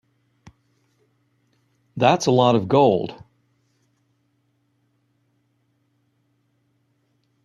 That's a lot of gold.